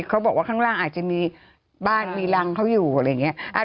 เขาบอกว่าข้างล่างอาจจะมีบ้านมีรังเขาอยู่อะไรอย่างนี้